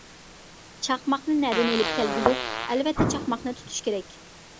چاقماقنى نەدىن ئېلىپ كەلگۈلۈك؟ ئەلۋەتتە چاقماقنى تۇتۇش كېرەك.